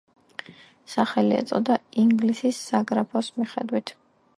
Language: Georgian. სახელი ეწოდა ინგლისის საგრაფოს მიხედვით.